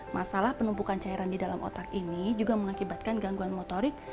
masalah penumpukan cairan di dalam otak ini juga mengakibatkan gangguan motorik